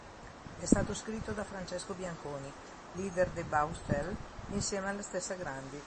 È stato scritto da Francesco Bianconi, leader dei Baustelle, insieme alla stessa Grandi.